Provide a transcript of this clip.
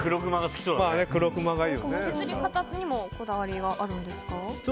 作り方にもこだわりがあるんですか。